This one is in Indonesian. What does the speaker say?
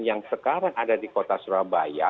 yang sekarang ada di kota surabaya